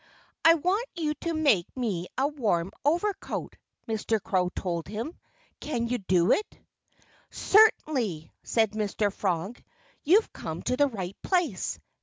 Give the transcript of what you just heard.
"I want you to make me a warm overcoat." Mr. Crow told him. "Can you do it?" "Certainly!" said Mr. Frog. "You've come to the right place.